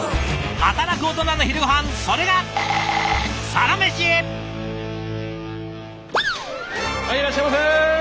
働くオトナの昼ごはんそれがはいいらっしゃいませ！